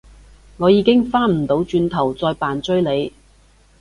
我已經返唔到轉頭再扮追你